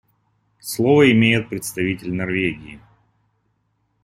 Слово имеет представитель Норвегии.